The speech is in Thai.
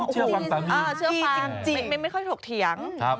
เชื่อฟังสามีจริงไม่ค่อยถูกเถียง